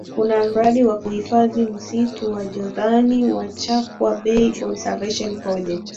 Kuna mradi wa kuhifadhi msitu wa Jozani wa Chwaka Bay Conservation Project